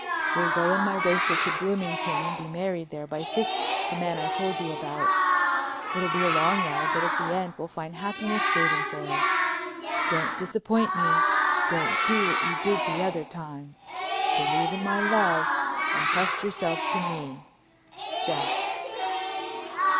We'll go in my racer to Bloomington and be married there by Fiske, the man I told you about. It'll be a long ride but at the end we'll find happiness waiting for us. Don't disappoint me—don't do what you did the other time. Believe in my love and trust yourself to me— Jack."